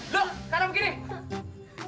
loh karena begini